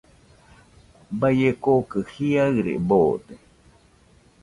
Baie kokɨ jiaɨre boode.